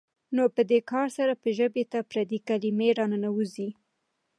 نو په دې کار سره به ژبې ته پردۍ کلمې راننوځي.